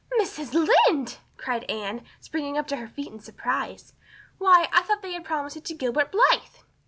"Mrs. Lynde!" cried Anne, springing to her feet in her surprise. "Why, I thought they had promised it to Gilbert Blythe!"